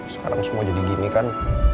sekarang semua jadi gini kan